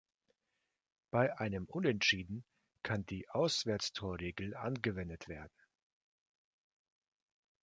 Bei einem Unentschieden kann die Auswärtstorregel angewendet werden.